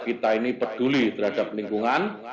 dan kita harus peduli terhadap lingkungan